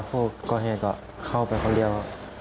แล้วก็เข้าไปคนเดียว